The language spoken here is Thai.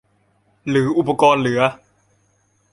หรืออุปกรณ์เหลือ